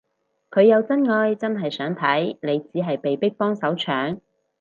佢有真愛真係想睇，你只係被逼幫手搶